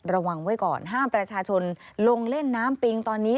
ระวังไว้ก่อนห้ามประชาชนลงเล่นน้ำปิงตอนนี้